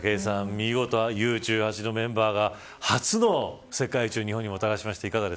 見事Ｕー１８のメンバーが初の世界一を日本にもたらしました。